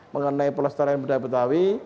mengenai pelestarian budaya betawi